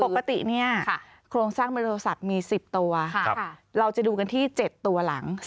ปกติเนี่ยโครงสร้างเบอร์โทรศัพท์มี๑๐ตัวเราจะดูกันที่๗ตัวหลัง